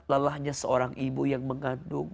lelahnya seorang ibu yang mengandung